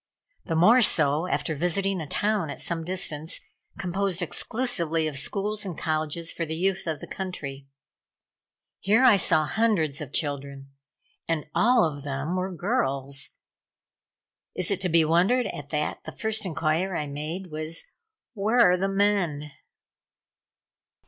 The more so after visiting a town at some distance, composed exclusively of schools and colleges for the youth of the country. Here I saw hundreds of children and all of them were girls. Is it to be wondered at that the first inquiry I made, was: "Where are the men?"